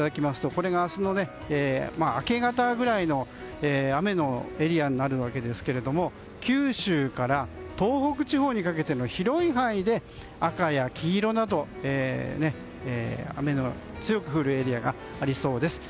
これが明日の明け方ぐらいの雨のエリアになるわけですが九州から東北地方にかけての広い範囲で赤や黄色など雨の強く降るエリアがありそうです。